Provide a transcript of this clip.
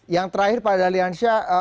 yang terakhir pak dalyansya